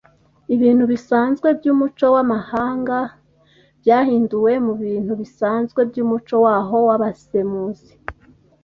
Ibintu bisanzwe byumuco wamahanga byahinduwe mubintu bisanzwe byumuco waho wabasemuzi.